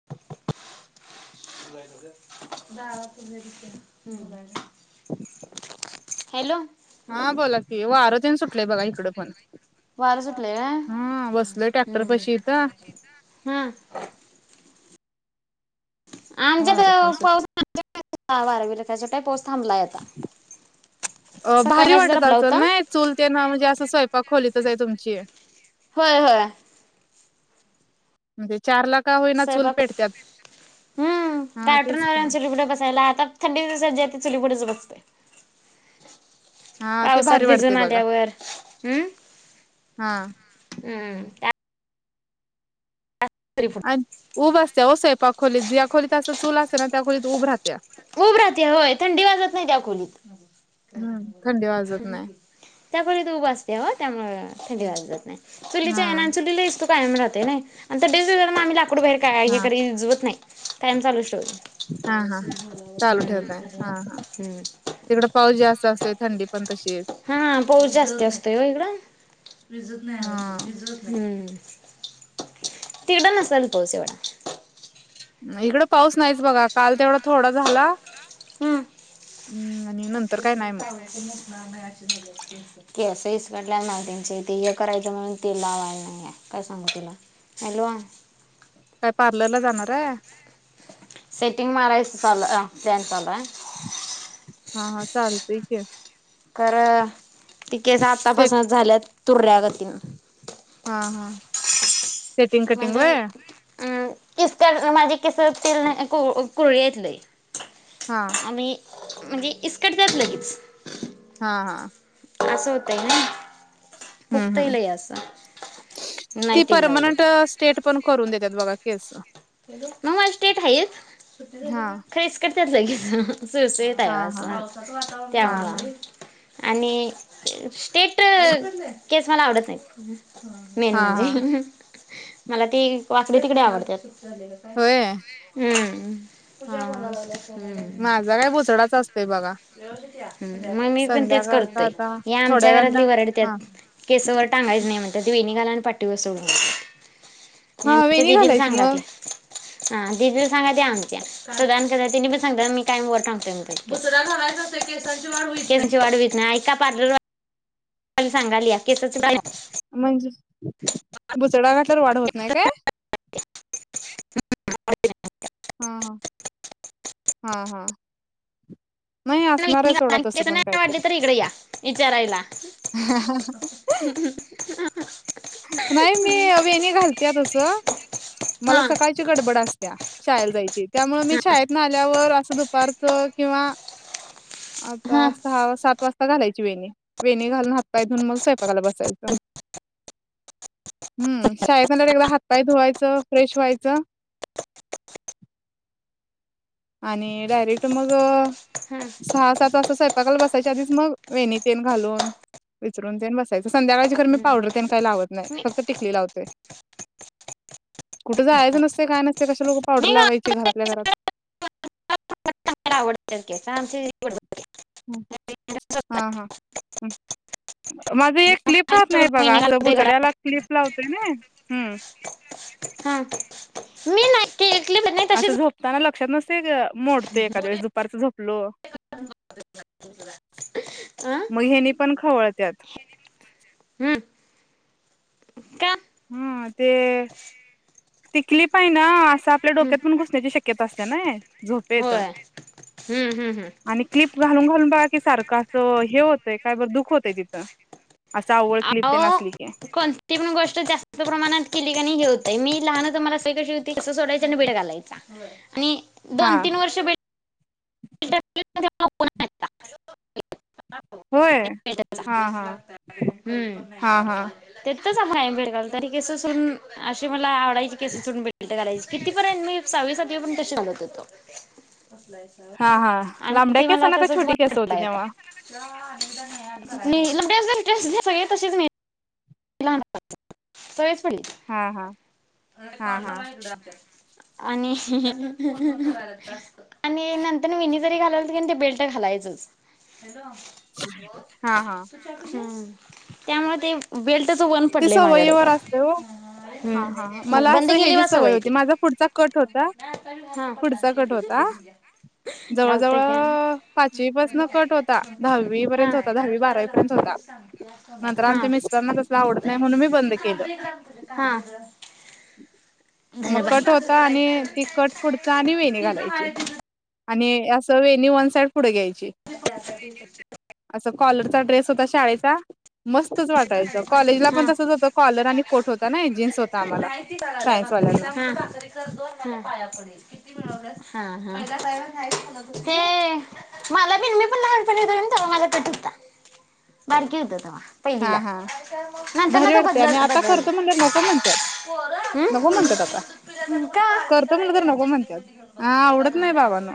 [inaudible] जा त ह ब [unintelligible] हॅलो, हा, बोला की, वार तेन सुटलेय बघा इकडं पण वारं सुटलंय काय हा, बसलय टॅक्टर पशी इथं. हम्म, आमच्या वारं तेन पास [inaudible] वारावीखा पाोस थांबला येत. अ भारी मगाशी जरा वाटत आपला असल होता नाही. चूल ते ना म्हणजे असं स्वयंपाक खोलीतच आहे तुमची. होय होय. मग ते चारला का होईना चूल स्वयंपाक पेटतत. हम्म दाटून आल्याव चुलीपुडे बसायला आता थंडी दिवस जे ते चुलीपुडेच बसते. हा ते पावसात भारी वाटतंय भिजून बघा आल्यावर हम्म्. हा तरीफ. उभ असते ओ स्वयंपाक खोलीत ज्या खोलीत असं चूल असतें ना त्या खोलीत उब राहते. ऊब राहते होय थंडी वाजत नाही त्या खोलीत. हम्म थंडी वाजत नाही तू खोलीत उभ असते हो त्यामुळे थंडी वाजत नाही हा चुलीच्या चुला इस्तू. कायम राहते नाही अन तब्येत बिब्बेत आम्ही लाकड बाहेर हा कारीुजवत नाही कायम चालूच ठेवत. हा हा, चालू ठेवत आहे हा हा, हम्म तिकड पाऊस जास्त असते थंडी पण तशी हाय. हा पाऊस जास्ती असतोय हो इकडं हम्म, तिकडं नसाल पाऊस एवढा. इकड पाऊस नाहीच बघा काल तेवढा थोडा झाला. हम्म हम्म आणि [inaudible] नंतर काय नाही मग केस इसकटला मला त्यांचे ते हे करायचं म्हणून ते लावायला नाहीये काय सांगू तुला. हॅलो. काय पार्लरला जाणाराय? सेटिंग मारायच चालू अ प्लान चालू आय. हा हा चाल तय की. खर ती केस सेट आतापासूनच झाल्यात तुर्या गतीन. हा हा. सेटिंग कटिंग म्हणजे व्हय अं किस्त्या डर्माची किस तेल नाय [unintelligible] घेतलय. हा. आम्ही म्हणजे इस्कटत्यात लगीच. हा हा. असं होतंय ग हम्म फुकतय हम्म लय असं नाय तेल लावलं तर. थेट पण करून देतात बघा केस. म -मला स्टेट हाइत हा खर इस्कटत्यात लगीच. सुळसुळीत आय हा हा व हा त्यामुळं. हा आणि स्टेट केस मला आवडत नायत. मेन हा हा म्हणजे मला ते वाकडी तिकडी आवडत्यात. होय हम्म. हा माझा काय बुचडाचा असतय बघा. हम्म, म -मी पण तेच संध्याकाळचा करतोय आता हे थोड्या आमच्या घरातली वेळानं वरडत्यात. हा केसवर टांगायच नाय म्हणत्यात वेणीघाला आणि पाठीवर सोड. हा आमच्या वेणी दिदीला घालायची सांगा ते मग हा दिदीला सांगा ते आमच्या. सदानकदा त्यांनी पण सांगतात मी कायम वर टागतोय म्हणत्यात. बुचडा घालायचं नसतंय केसांची वाढ होत नाय. ऐक च्या पार्लर वा ली सांगायलिया केसाच काय म्हणजे बुचडा घतल्यावर वाढ होत नाय काय? [unintelligible] हा हा, हा हा. नाही असणार आहे वेणी घाला सोडा आणि तसं केस पण नाय वाडली तर इकड या विचारायला. [inaudible] नाय मी वेणी घालतिया तस मला हा सकाळ ची गडबड असतीया शाळेला जायची त्यामुळे मी शाळेत न आल्यावर असं दुपारच किंवा [inaudible] आता हा सहा सात वाजता घालायची वेणी, वेणी घालून हातपाय धुऊन मग स्वयंपाकाला बसायचं. हम्म, शाळेतनं आल्यावर एकदा हातपाय धुवायचं फ्रेश व्हायचं आणि डायरेक्ट मग हा सहा सात वाजता स्वय पाकाला बसायच्या आधीच मग वेणी तेन घालून विचरून तेन बसायच. संध्याकाळच खर मी पावडर तेन काय लावत नाय मी फक्त टिकली लावतोय. कुठ जायाच नसतंय काय नसतंय कशाला उगं पावडर नाही घालायला लावायची घरातल्या घरात. आवडत्याल की [unintelligible] हम्म, हा हा. माझं एक क्लिप खाली राहत नाय सोडून बघा वेणी असं घालतोय घरात बुचड्याला क्लिप लावतुय नाय हम्म हा मी नाय ती क्लिप तशीच ताना लक्षात नसतय ग मोडतोय एकाद्या वेळेस दुपारच झोपलो. अं मग हेनी पण खवळत्यात. हम्म [unintelligible] का हम ते टिकली पाहि ना असं आपल्या हम्म डोक्यात पण घुस [unintelligible] त्यची शक्यता असत्या नाय झोपेत होय हम्म हम्म हम्म आणि क्लिप घालून घालून बघा की सारखं असं हे होतंय काय बरं दुख होतय तिथं असं आव्वळ क्लिप तेन असली की ती पण गोष्ट जास्त प्रमाणात केली नाही हे होतय मी लहानं मला सवय कशी होती केस सोडायची आणि वीडा घालायचा आणि हा दोन तीन वर्ष [unintelligible] [unintelligible] [unintelligible] होय हा हा हम्म हा हा [unintelligible] ते [unintelligible] आहे अ [unintelligible] तर ह केस सडून अशी मला आवायची केस सोडुन [unintelligible] किती पर्यंत मी सहावी सातवीपर्यंत तशिच घालत होतो हा हा आणि लांबड्या ते केसा मला ना का तसंच छोटी बंद केस होती पडलाय आता तेव्हा, नाही [unintelligible] सगळी तशीच नाय [unintelligible] हा, हा हा हा आणि ह ह आणि नंतर वेणी जरी घालायलतो का नाही तरी ते बेल्ट घालायचंच, हा, हा ह, त्यामुळे ते बेल्टच वन ते पडलंय माझ्या सवयीवर डोक्याला, असतंय ओ हा, हा, मला असं केली हेजी बा सवय होती ती. माझा पुढचा कट होता हा [unintelligible] जवळ जवळ घालतोय की हा. पाचवीपासन, कट होता दहावी हा. पर्यंत, हा होता धर दहावी बारावीपर्यंत होता. नंतर आमच्या मिस्टराना तसलं आवडत नाही म्हणून मी बंद केलं, मग कट बाई होता आणि ती कट पुढचा आणि वेणी घालायची आणि असं वेनी वन साईड पुढे घ्यायची, [inaudible] [unintelligible] असं कॉलरचा ड्रेस, होता शाळेचा मस्तच वाटायच, तीला हा पण तसच होत कॉलर आणि कोट होता, ना जीन्स होता आम्हाला सायन्स वाल्यांना. हम्म [unintelligible] [unintelligible] [unintelligible] [unintelligible] मला बि मी पण लहानपणी कट होता [unintelligible] हा पहिलीला हा नंतर ना भारी ते वाटते बदल आणि आता बदलल. करतो म्हणलं नको म्हणतात हम्म हम् [unintelligible] नको म्हणतात आता करतो म्हटलं तर नको म्हणत्यात. हा आवडत नाही [unintelligible] [inaudible] बाबांनो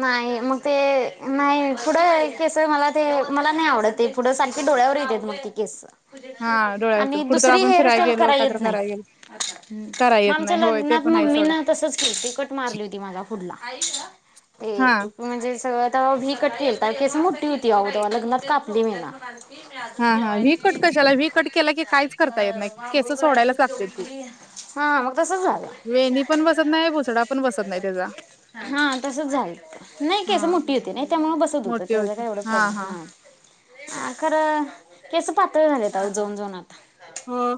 नाही मग ते नाही पुढं कस मला ते मला नाही आवडत ते पुढं सारखी डोळ्यावर हा डोळ्याचं आणि कुठं तर दुसरी आपण हेअर फिराय स्टाईल गेलो काय करायलाच तर यत नाही. कराय गेलो हम् कराय मग येत आमच्या नाही होय ते लग्नात पण आहे मम्मीन सोडा तसच कि कट मारली होती मला. हा हम म्हणजे सगळं तेव्हाभी कट केलता केस मोठी होती अगद लग्नात कापली मी ना. हा हा व्हीकट कशाला व्ही कट केला की काहीच करता येत नाही. केस सोडायलाच लागते ती. हा मग तसंच झालं वेणी पण बसत नाही बुचडा पण बसत नाही त्याचा. हा तसंच झालं नाही केस हा मोठी होती नाही त्यामुळं बसत होत त्याचा काय एवढा प्रॉब्लेम हा अ खरं केस पातळ झाले जाऊन जाऊन आता. ह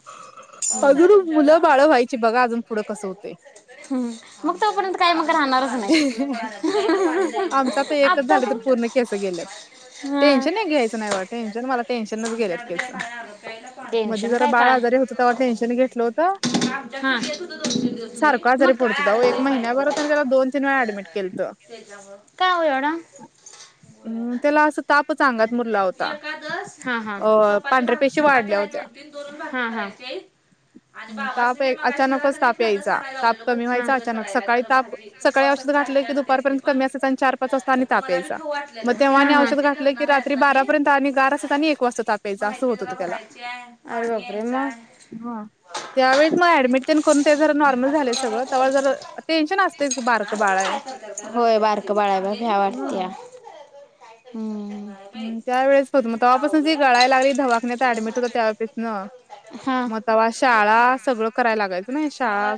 अजून मुलं बाळं व्हायची बघा अजून पुढं कसं होतंय. ह मग तोपर्यंत काय मग राहणार आमचा तर एकच आता झालं तर तू पूर्ण केस गेल्यात. हा टेन्शन एक घ्यायच नाही बघा टेन्शन मला टेन्शनच गेल्यात केसं. मधी टेन्शन जरा काय बाळ काय आजारी होत तेव्हा टेन्शन घेतलं होतं. हा सारख मग आजारी पडत होता ओ एक महिन्याभर आम्ही त्याला दोन दोन-तीन वेळा ऍडमिट केलत. का हो एवढा हम् त्याला अस तापच अंगात मुरला होता. हा हा अ चपाती पांढऱ्या भाक पेशी चपाती वाढल्या हायेत होत्या. दोन-तीन दोनच भाकरी करायचेत हा हा. ताप अचानकच ताप यायचा. ताप कमी व्हायचा अचानक सकाळी ताप सकाळी औषध घातलं की दुपारपर्यंत कमी असयच आणि चार पाच वाजता आणि ताप यायचा मग तेव्हा औषध घातलं की रा तरी बारापर्यंत आणि गार असयच आणि एक वाजता ताप अस होत होत त्याला हा. त्यावेळेस मग ऍडमिट करून ते जर नॉर्मल झालय सगळं तवा जरा टेन्शन असतयचं. कुणास ठाऊक काय करत्यात, होय बारकं बाळ आहे ना भ्या हम्म. वाटत्या. हम्म. ह त्या वेळेस बघ, मग तवापासन जी गळाय लागली दवाखान्यात ऍडमिट होता त्यावेेळेपासन मग तवा शाळा सगळं कराय लागायचं नै. शाळा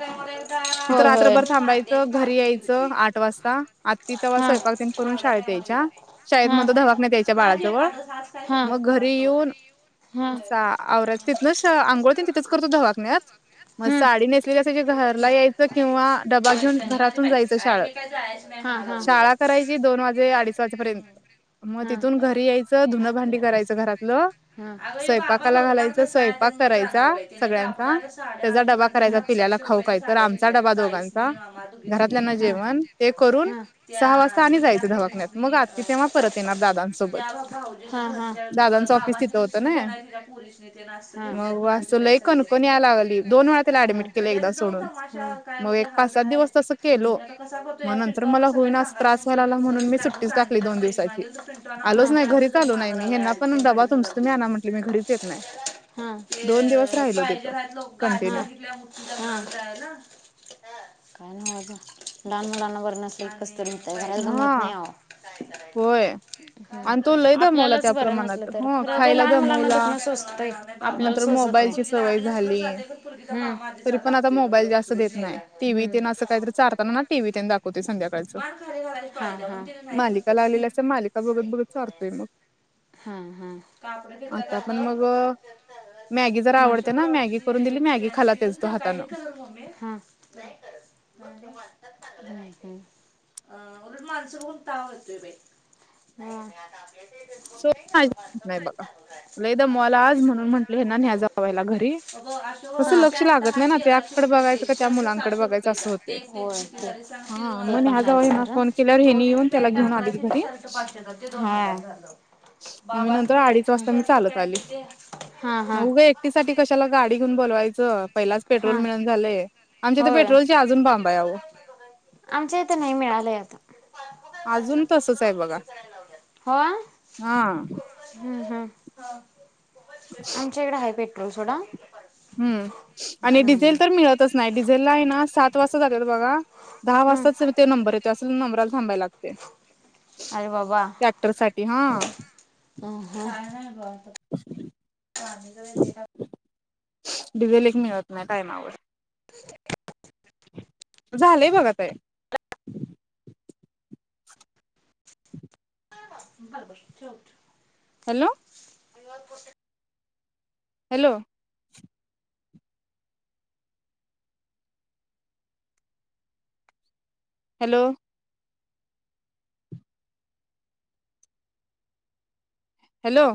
तिथं रात्रभर थांबाय घरी यायचं आठ वाजता आत्ती तवा हा स्वयपाक तेन करून शाळेत यायच्या. शाळेत म्हणतो दवाखान्यात यायच्या. आज बाळाजवळ एकादस आज. मग घरी येऊन आ आवराच तिथनंच अंघोळ तिथंच करत होतो दवाखन्यात. मग हम्म साडी नेसलेली असेल की घरला यायचं किंवा डबा घेऊन घरातून जायचं शाळ हा हा. शाळा करायची दोन वाजे, अडीच वाजेपर्यंत. मग हा तिथून घरी यायचं धुनं, भांडी करायचं घरातलं अगं ह्यो बाबा स्वयंपाकाला बघणार घालायचं कसा मग स्वयंपाक मग जाणार करायचा बाई तिने कापड सगळ्यांचा आल्या साड्या आ त्याचा डबा करायचा म्हणा पिल्याला चारशे खाऊ रुपयाला काय तर साड्या आमचा घेतल्यात डबा ताईसनी, दोघांचा आम्हा दोघीसनी घरातल्यांना ह ह जेवण ते करून अगं बाई! सहा वाजता आणि जायचं दवाखान्यात मग आत्ती तेंव्हा परत येणार दादां त्या भाऊजीची हा हा ऑफिस बाबांची तिथं होतं दुसरी भ्हण हाय तिला दुसरी पुरीसनी तेन असं घेतल्यात म्हणं लई कणकण याय लागली दोन वेळा त्याला ऍडमिट केले एक सोडून मग पाच सात दिवस तसं केलो त्यो आता कसा मग करतोया नंतर पिंटू अण्णा मला सकाळी होईना असं सांगाय त्रास व्हायला सांगितल लागला म्हणून उगीच मी कायपण सुट्टीच टाकली सांगिल आणि दोन पैसे दिवसाची मागिल आलोच नाही घरीच आलो नाही मी. ह्यांना पण डबा तुमच तुम्ही आणा म्हटल मी घरीच येत नाही. दोन दिवस ते राहिलो पाहिजे तिथं राहत लोक कंटिन्यू गाडी काय नाही अगं लहान मुलांना वरणं. कसतरी होतय घरात गमत नाही हा आओ. काय होय करायचं सांग? आणि तो लय दमवला आपल्यालाच त्या बरं नसलं प्रमाणात तर हो खरं ते खायला लहान मुलांना दमवला दुखणं सोचतय, आपल्याला नंतर सोचत नाही मोबाईलची सवय झाली हम्. पुरगीचा मामा आधीच तरी पण आता लागतोय म्हटलं मोबाईल जास्त उचलून देत नाही न्यायला. टीव्ही हम्म. तेन असं काहीतरी चारताना टीव्ही तेन दाखवतोय संध्याकाळचं [unintelligible] मालिका लागलेली असत्या, मालिका बघत बघत चारतोय मग. हा हा. कापड घेतल्यात आता पण अगं मग मॅगी जरा आवडते अशोक ना मॅगी करून रावची. दिली मॅगी ते खाला तेच तो [unintelligible] हातानं काय मम्मे. हा. नाही [unintelligible] ह हे. अ उलट माणस बघून ताव येतोय बाई [unintelligible] ह [unintelligible] नाही बघा. लई दमवाला आज, म्हणून म्हटले हेना न जावायला घरी. हा. होय. [inaudible] कसं लक्ष लागत नाही ना त्याकडे बघायचं का त्या मुलांकडे बघायचं असं होतंय ते ते पण हा तो हेना फोन केल्यावर हेनी येऊन त्याला घेऊन आलीत घरी. हा. [inaudible] मग मी नंतर अडीच वाजता मी [inaudible] हा हा. ती साठी कशाला गाडी घेऊन बोलवायचं. पहिलाच पेट्रोल हां मिळना झालेय. आमच्या इथ होय पेट्रोलचे अजून बांब आहे आओ. आमच्या इथं नाही, मिळालं आता. अजून तसचय बघा. आ. हम्म हम्म, आमच्या इकडे हाय पेट्रोल सोडा. हम्म, आणि हं, डिझेल तर मिळतच नाही. डिझेललाय ना, सात त वाजता जातेत बघा. दहा हं. वाजता ते नंबर येतो. असच नबरला थांबाय लागते. अरे बाबा ट्रॅक्टर साठी हा ह ह. [unintelligible] डिझेल एक मिळत नाय, टायमावर. [inaudible] झालंय बघा ते. बर बर, ठेव ठेव. हॅलो. [inaudible] हॅलो. हॅलो. हॅलो.